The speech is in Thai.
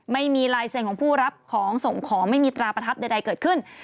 ไม่มีลายเซ็นของผู้รับของส่งของไม่มีตราประทับใดเกิดขึ้น